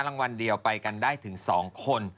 รางวัลเดียวไปกันได้ถึง๒คน